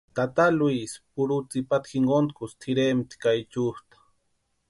Tata Luisi purhu tsïpata jinkontkusï tʼirempti ka echutʼa.